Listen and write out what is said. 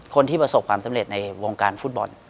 คนที่ประสบความสำเร็จในวงการฟุตบอล